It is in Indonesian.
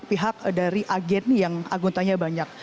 kemudian baru dari agen yang aguntanya banyak